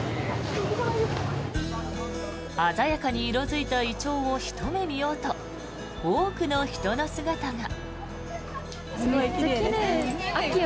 鮮やかに色付いたイチョウをひと目見ようと多くの人の姿が。